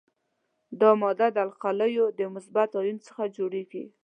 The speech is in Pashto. دا ماده د القلیو د مثبت آیون څخه جوړیږي.